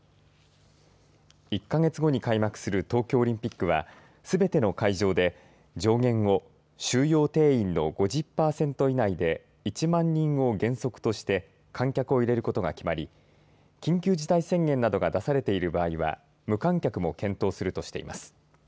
１か月後に開幕する東京オリンピックはすべての会場で上限を収容定員の５０パーセント以内で１万人を原則として観客を入れることが決まり緊急事態宣言などが出されている場合は無観客も検討するとしています。